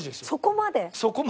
そこまで。